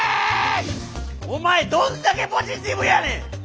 お前どんだけポジティブやねん！